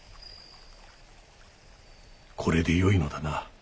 「これでよいのだな？」。